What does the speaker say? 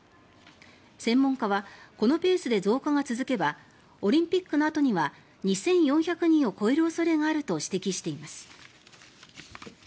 専門家はこのペースで増加が続けばオリンピックのあとには２４００人を超える恐れがあると指摘しています。